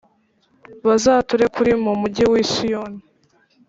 Bazature kuri mu mujyi wi Siyoni.